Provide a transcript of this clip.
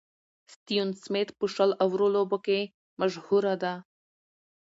ستيون سميټ په شل اورو لوبو کښي مشهوره ده.